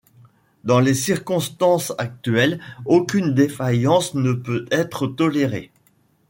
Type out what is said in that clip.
Dans les circonstances actuelles, aucune défaillance ne peut être tolérée.